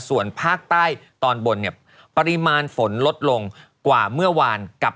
ส่วนภาคใต้ตอนบนเนี่ยปริมาณฝนลดลงกว่าเมื่อวานกับ